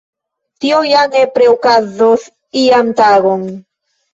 Tio ja nepre okazos ian tagon.